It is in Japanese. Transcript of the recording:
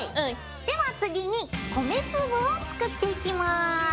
では次に米粒を作っていきます。